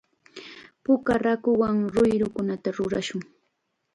Puka raakuwan ruyrukunata rurashun.